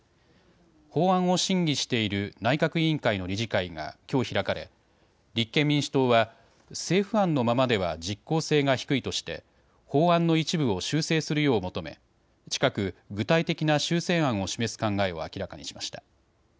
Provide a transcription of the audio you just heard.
法案を審議している内閣委員会の理事会が、きょう開かれ立憲民主党は、政府案のままでは実効性が低いとして法案の一部を修正するよう求め近く具体的な修正案を示す考えを明らかにしました。